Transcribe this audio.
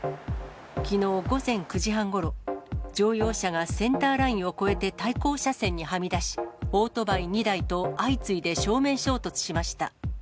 きのう午前９時半ごろ、乗用車がセンターラインを越えて対向車線にはみ出し、オートバイ２台と相次いで正面衝突しました。